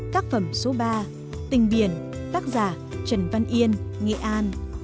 tác phẩm số ba tình biển tác giả trần văn yên nghệ an